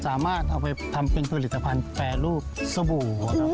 สามารถเอาไปทำเป็นผลิตภัณฑ์แฟร์ลูกเสบู่